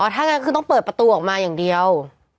ถ้างั้นคือต้องเปิดประตูออกมาอย่างเดียว